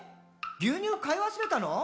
牛乳買い忘れたの？」